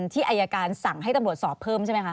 ที่อายการสั่งให้ตำรวจสอบเพิ่มใช่ไหมคะ